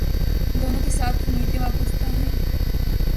دونوں کے ساتھ امید وابستہ ہے